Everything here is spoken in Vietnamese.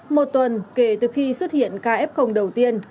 một tuần kể từ khi xuất hiện kf đầu tiên